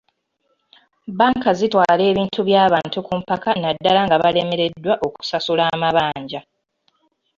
Bbanka zitwala ebintu by'abantu ku mpaka na ddala nga balemereddwa okusasula amabanja.